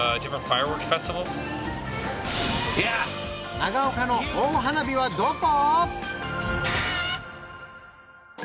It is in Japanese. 長岡の大花火はどこ？